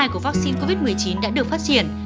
của vaccine covid một mươi chín đã được phát triển